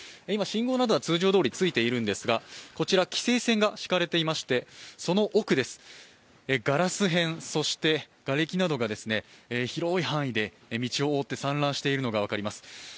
今、信号などは通常どおりついているのですが、こちら規制線が敷かれていましてその奥、ガラス片そしてがれきなどが広い範囲で道を覆って散乱しているのが分かります。